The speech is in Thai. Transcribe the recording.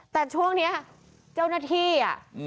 แต่ช่วงนี้เจ้าหน้าที่อ่ะ